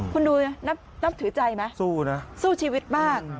คุณดูนับถือใจไหมสู้นะสู้ชีวิตมาก